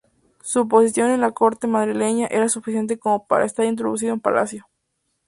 Su posición en la Corte madrileña era suficiente como para estar introducido en Palacio.